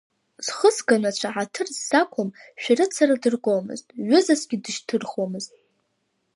Зхысга нацәа ҳаҭыр ззақәым шәарыцара дыргомызт, ҩызасгьы дышьҭырхуамызт.